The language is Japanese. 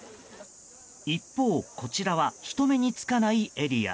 一方、こちらは人目につかないエリア。